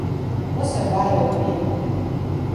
Você vai ouvir?